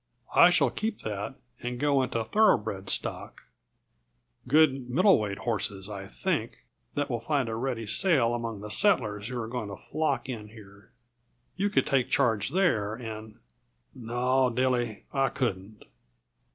I shall keep that and go into thoroughbred stock good, middle weight horses, I think, that will find a ready sale among the settlers who are going to flock in here. You could take charge there and " "No, Dilly, I couldn't.